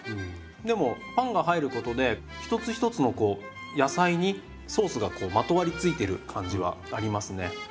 でもパンが入ることで一つ一つのこう野菜にソースがこうまとわりついている感じはありますね。